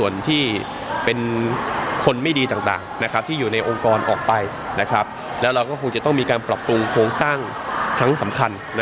แล้วเราก็คงจะต้องมีการปรับปรุงโครงสร้างครั้งสำคัญ